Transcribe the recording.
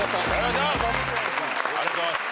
ありがとうございます。